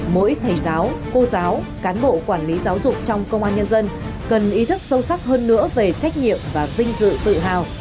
mỗi thầy giáo cô giáo cán bộ quản lý giáo dục trong công an nhân dân cần ý thức sâu sắc hơn nữa về trách nhiệm và vinh dự tự hào